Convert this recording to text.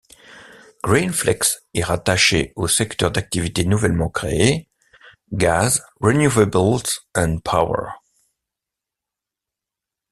GreenFlex est rattachée au secteur d’activités nouvellement créé Gas, Renewables & Power.